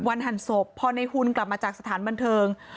หั่นศพพอในหุ่นกลับมาจากสถานบันเทิง